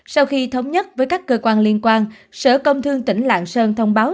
sau khi thống nhất với các cơ quan liên quan sở công thương tỉnh lạng sơn thông báo